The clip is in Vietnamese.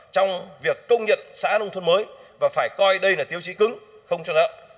trong việc công nhận xã nông thôn mới và phải coi đây là tiêu chí cứng không cho lợn